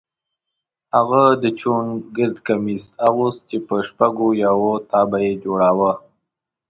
هغه د چوڼ ګرد کمیس اغوست چې په شپږ یا اووه تابه یې جوړاوه.